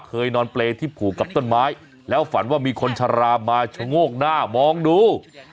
เคยนอนเปรย์ที่ผูกกับต้นไม้แล้วฝันว่ามีคนชะลามาชะโงกหน้ามองดู